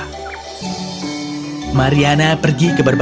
mariana pergi ke berbagai lokasi perusahaan kemudian ke hamba hamba